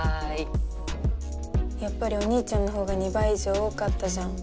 やっぱりお兄ちゃんのほうが２倍以上多かったじゃん。